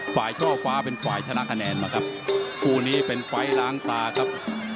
ช่อฟ้าเป็นฝ่ายชนะคะแนนมาครับคู่นี้เป็นไฟล์ล้างตาครับ